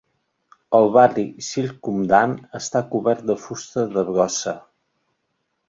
El barri circumdant està cobert de fusta de brossa.